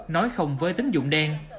nói không với tính dụng đen